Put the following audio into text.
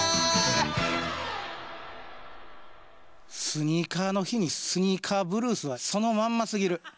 スニーカーの日に「スニーカーぶるす」はそのまんますぎる。